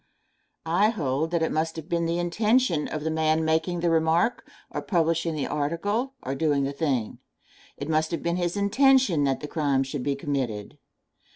I hold that it must have been the intention of the man making the remark, or publishing the article, or doing the thing it must have been his intention that the crime should be committed.